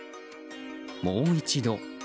もう一度。